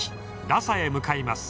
ラサへ向かいます。